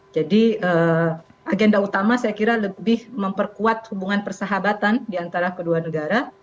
jadi agenda utama saya kira lebih memperkuat hubungan persahabatan di antara kedua negara